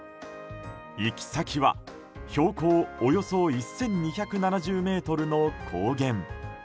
行き先は標高およそ１２７０ｍの高原。